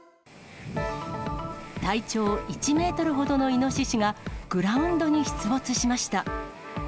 体長１メートルほどのイノシシが、グラウンドに出没しました。